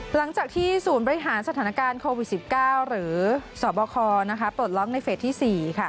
หลังจากที่ศูนย์บริหารสถานการณ์โควิด๑๙หรือสบคปลดล็อกในเฟสที่๔